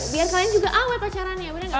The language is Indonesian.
biar kalian juga awet pacarannya bener gak